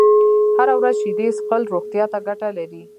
هره ورځ شيدې څښل روغتيا ته گټه لري